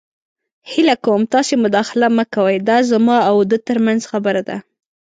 هیله کوم تاسې مداخله مه کوئ. دا زما او ده تر منځ خبره ده.